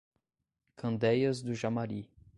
Candeias do Jamari